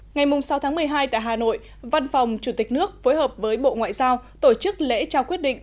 ngày sáu tháng một mươi hai tại hà nội văn phòng chủ tịch nước phối hợp với bộ ngoại giao tổ chức lễ trao quyết định